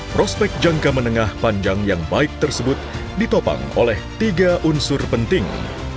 prospek jangka menengah panjang yang baik tersebut ditopang oleh tiga unsur penting